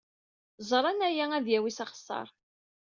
Ẓran aya ad yawey s axeṣṣar.